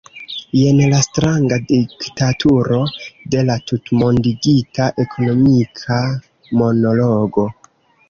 Jen la stranga diktaturo de la tutmondigita ekonomika monologo.